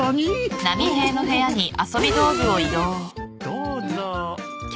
どうぞ。